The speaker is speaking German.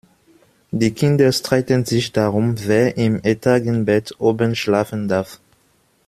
Die Kinder streiten sich darum, wer im Etagenbett oben schlafen darf.